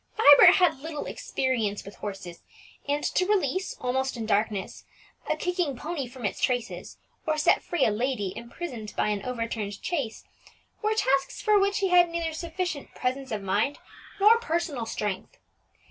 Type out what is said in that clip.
Vibert had had little experience with horses, and to release, almost in darkness, a kicking pony from its traces, or set free a lady imprisoned by an overturned chaise, were tasks for which he had neither sufficient presence of mind nor personal strength.